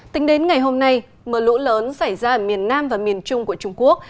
tính đến ngày hôm nay mưa lũ lớn xảy ra ở miền nam và miền trung của trung quốc